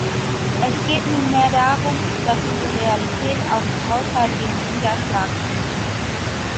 Es geht nunmehr darum, dass diese Realität auch im Haushalt ihren Niederschlag findet.